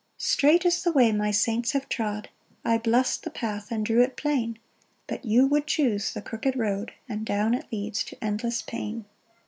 6 "Straight is the way my saints have trod, "I blest the path and drew it plain; "But you would choose the crooked road, "And down it leads to endless pain.